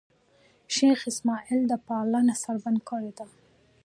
شېخ اسماعیل پالنه سړبن کړې ده.